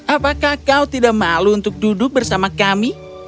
apakah kau tidak malu untuk duduk bersama kami